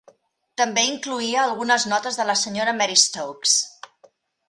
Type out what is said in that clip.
També incloïa algunes notes de la Sra. Mary Stokes.